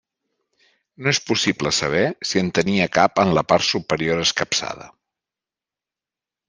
No és possible saber si en tenia cap en la part superior escapçada.